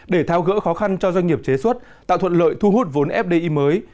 để thao gỡ khó khăn cho doanh nghiệp chế xuất tạo thuận lợi thu hút vốn fdi mới